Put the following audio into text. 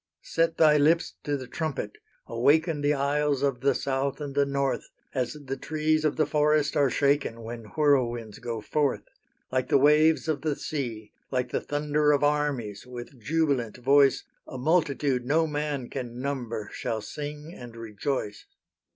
Set thy lips to the trumpet, awaken The isles of the South and the North, As the trees of the forest are shaken When whirlwinds go forth: Like the waves of the sea, like the thunder Of armies, with jubilant voice, A multitude no man can number Shall sing and rejoice.